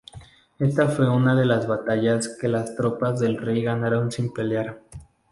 Esta fue una de las batallas que las tropas del rey ganaron sin pelear.